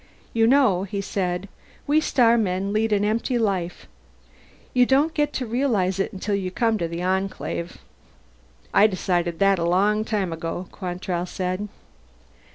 "You know," he said, "we starmen lead an empty life. You don't get to realize it until you come to the Enclave." "I decided that a long time ago," Quantrell said.